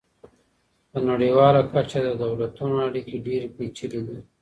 په نړيواله کچه د دولتونو اړيکې ډېرې پېچلې دي.